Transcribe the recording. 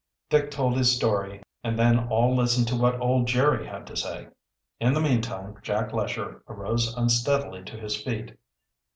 Dick told his story, and then all listened to what old Jerry had to say. In the meantime Jack Lesher arose unsteadily to his feet.